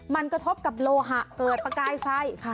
มันกระทบกับโลหะเกิดประกายไฟ